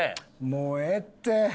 もうええって。